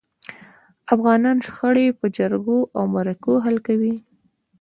افغانان شخړي په جرګو او مرکو حل کوي.